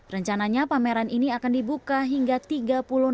rencananya pameran ini akan dibuka hingga tiga bulan